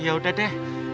ya udah deh